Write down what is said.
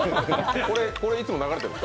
これいつも流れてるの？